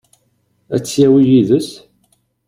Ad tt-yawi yid-s?